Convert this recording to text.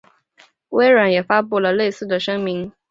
微软也发布了类似的声明。